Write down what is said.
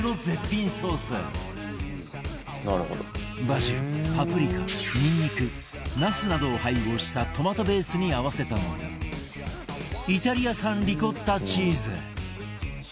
バジルパプリカにんにくナスなどを配合したトマトベースに合わせたのがイタリア産リコッタチーズ